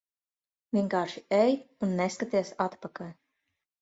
Vienkārši ej un neskaties atpakaļ.